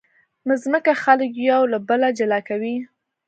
مځکه خلک یو له بله جلا کوي.